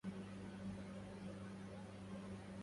لي زرع أتى عليه الجراد